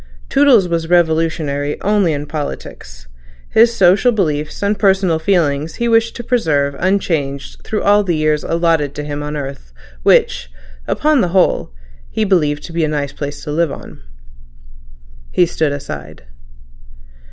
Toodles was revolutionary only in politics; his social beliefs and personal feelings he wished to preserve unchanged through all the years allotted to him on this earth which, upon the whole, he believed to be a nice place to live on. He stood aside.